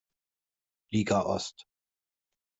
Liga Ost.